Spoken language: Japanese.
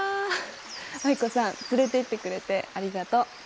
藍子さん連れていってくれてありがとう。